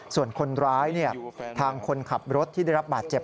ส่วนคนร้ายทางคนขับรถที่ได้รับบาดเจ็บ